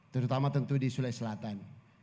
terutama tentu di sulawesi selatan